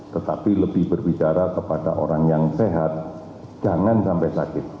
tetapi lebih berbicara kepada orang yang sehat jangan sampai sakit